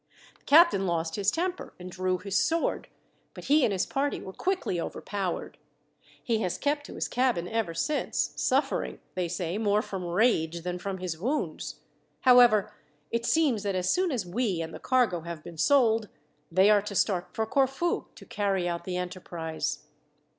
"The captain lost his temper and drew his sword, but he and his party were quickly overpowered. He has kept to his cabin ever since, suffering, they say, more from rage than from his wounds. However, it seems that as soon as we and the cargo have been sold, they are to start for Corfu to carry out the enterprise.